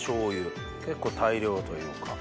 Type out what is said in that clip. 結構大量というか。